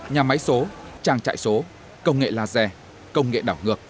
nhà máy số trang trại số công nghệ laser công nghệ đảo ngược